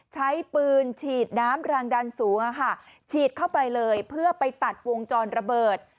ใช้ปืนฉีดน้ำแรงดันสูงฉีดเข้าไปเลยเพื่อไปตัดวงจรระเบิด